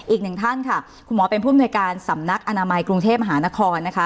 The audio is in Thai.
อีกหนึ่งท่านค่ะคุณหมอเป็นผู้อำนวยการสำนักอนามัยกรุงเทพมหานครนะคะ